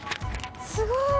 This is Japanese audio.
すごい！